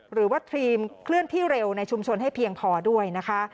หรือว่าทรีมเคลื่อนที่เร็วในชุมชนให้เพียงพอด้วยนะคะ